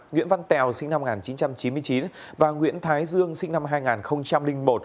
nguyễn văn tèo sinh năm một nghìn chín trăm chín mươi chín và nguyễn thái dương sinh năm hai nghìn một